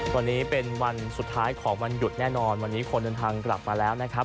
วันนี้เป็นวันสุดท้ายของวันหยุดแน่นอนวันนี้คนเดินทางกลับมาแล้วนะครับ